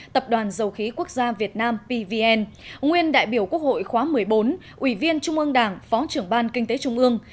tập đoàn dầu khí quốc gia việt nam pvn nguyên đại biểu quốc hội khóa một mươi bốn ủy viên trung ương đảng phó trưởng ban kinh tế trung ương